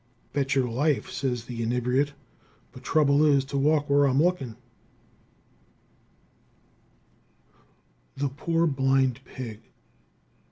"Betcher life," says the inebriate, "but trouble is to walk where I'm lookin'." The Poor Blind Pig.